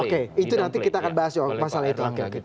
oke itu nanti kita akan bahas masalah itu